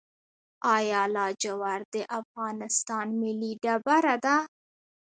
آیا لاجورد د افغانستان ملي ډبره ده؟